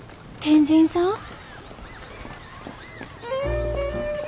天神さん？